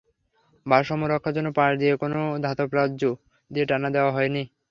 ভারসাম্য রক্ষার জন্য পাশ দিয়ে কোনো ধাতব রজ্জু দিয়ে টানা দেওয়া হয়নি।